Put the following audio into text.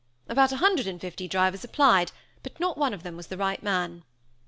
About a hundred and fifty drivers applied, but not one of them was the right man.